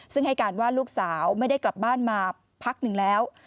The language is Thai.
ซึ่งให้การว่าลูกสาวไม่ได้กลับบ้านมาพักหนึ่งแล้ว